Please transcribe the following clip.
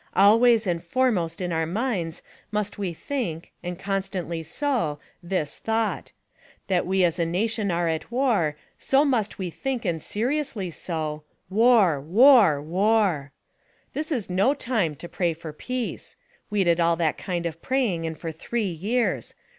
Always and foremost in our minds must we think, and constantly so, this thought: That we as a nation are at war so must we think and seri ously so— war, war, war! This is no time to pray for peace ; we did all that kind of praying and for three years.